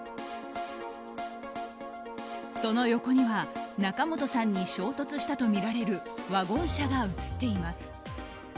その横には仲本さんに衝突したとみられるワゴン車が写っています。